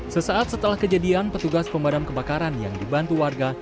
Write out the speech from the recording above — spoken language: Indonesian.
sesaat setelah kejadian petugas pemadam kebakaran yang dibantu warga